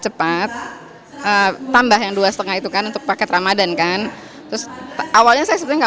cepat tambah yang dua setengah itu kan untuk paket ramadan kan terus awalnya saya sebenarnya enggak